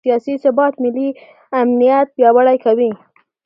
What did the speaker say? سیاسي ثبات ملي امنیت پیاوړی کوي